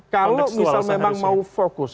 kalau misalnya mau fokus